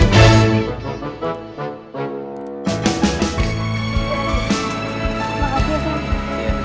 kenapa ada sama welsi